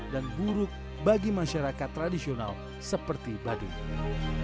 dan buruk bagi masyarakat tradisional seperti baduy